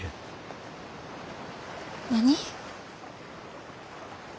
何？